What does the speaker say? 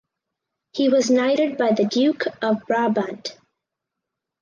He was knighted by the Duke of Brabant.